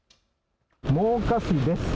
真岡市です。